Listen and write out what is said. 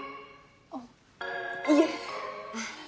あっいえ。